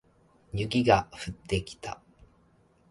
雪が降ってきた